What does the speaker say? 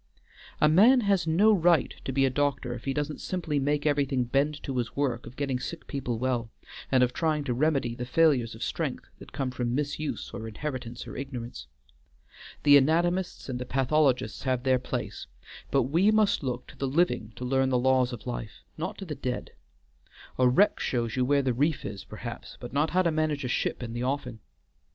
A man has no right to be a doctor if he doesn't simply make everything bend to his work of getting sick people well, and of trying to remedy the failures of strength that come from misuse or inheritance or ignorance. The anatomists and the pathologists have their place, but we must look to the living to learn the laws of life, not to the dead. A wreck shows you where the reef is, perhaps, but not how to manage a ship in the offing.